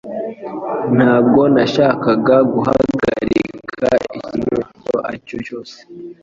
Ntabwo nashakaga guhagarika ikintu icyo ari cyo cyose